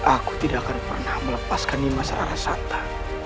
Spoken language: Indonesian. aku tidak akan pernah melepaskan nima sararasata